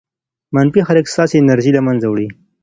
منفي خلک ستاسې انرژي له منځه وړي.